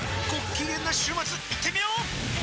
きげんな週末いってみよー！